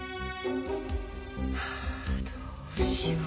ハァどうしよう。